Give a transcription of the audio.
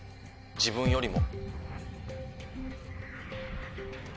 自分よりも。